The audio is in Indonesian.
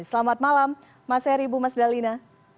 selamat malam mas heri bu mas dalina